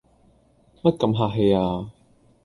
乜咁客氣呀？